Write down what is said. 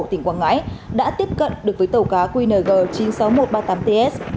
tỉnh quảng ngãi đã tiếp cận được với tàu cá qng chín mươi sáu nghìn một trăm ba mươi tám ts